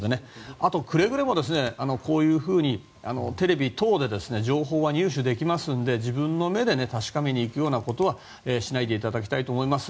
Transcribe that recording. あと、くれぐれもこういうふうにテレビ等で情報が入手できますので自分の目で確かめに行くようなことはしないでいただきたいと思います。